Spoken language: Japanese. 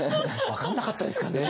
分かんなかったですかね。